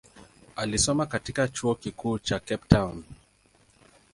Alisoma katika chuo kikuu cha Cape Town.